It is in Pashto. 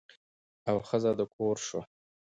او ښځه د کور شوه.